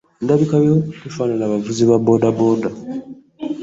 Endabika yo tefaanana bavuzi ba boodabooda.